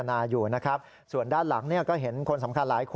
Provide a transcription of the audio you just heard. ที่ร่วมกับไทยรักษาชาติ